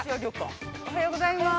おはようございます。